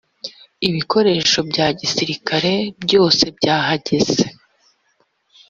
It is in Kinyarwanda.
ibikoresho bya gisirikare byose byahageze